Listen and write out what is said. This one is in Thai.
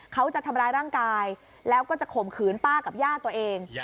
เขาจะทำร้ายร่างกายแล้วก็จะข่มขืนป้ากับย่าตัวเอง